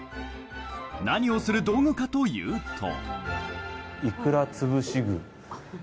何をする道具かというと。